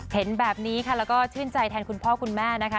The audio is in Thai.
เห็นแบบนี้ค่ะแล้วก็ชื่นใจแทนคุณพ่อคุณแม่นะคะ